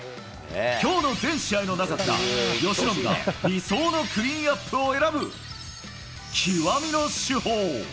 きょうの全試合の中から、由伸が理想のクリーンアップを選ぶ極みの主砲。